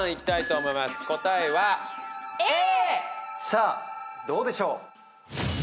さあどうでしょう？